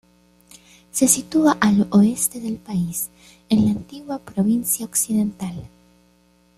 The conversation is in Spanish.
Se sitúa al oeste del país, en la antigua provincia Occidental.